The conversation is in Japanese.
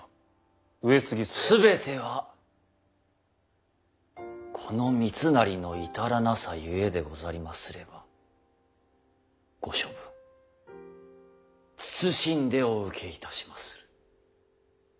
全てはこの三成の至らなさゆえでござりますればご処分謹んでお受けいたしまする。